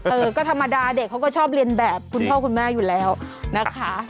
เออก็ธรรมดาเด็กเขาก็ชอบเรียนแบบคุณพ่อคุณแม่อยู่แล้วนะคะ